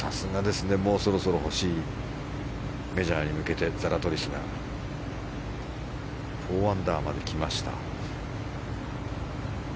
もうそろそろ欲しいメジャーに向けてザラトリスが４アンダーまで来ました。